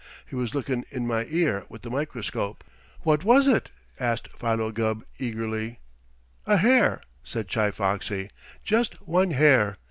He was lookin' in my ear with the microscope." "What was it?" asked Philo Gubb eagerly. "A hair," said Chi Foxy. "Just one hair.